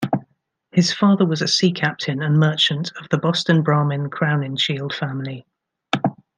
His father was a sea captain and merchant of the Boston Brahmin Crowninshield family.